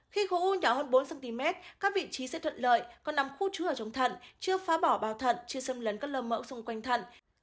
khi khối u nhỏ hơn bốn cm các vị trí sẽ thuận lợi còn nằm khu trú ở trong thận chưa phá bỏ bào thận chưa xâm lấn các lơ mỡ xung quanh thận